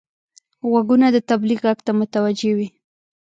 غوږونه د تبلیغ غږ ته متوجه وي